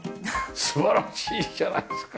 素晴らしいじゃないですか。